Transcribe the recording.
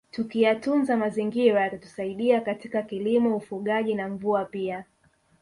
Tukiyatunza mazingira yatatusaidia katika kilimo ufugaji na mvua pia